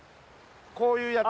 ういうやつ。